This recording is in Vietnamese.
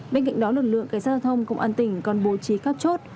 bên cạnh đó lực lượng cảnh sát giao thông công an tỉnh còn bố trí các chốt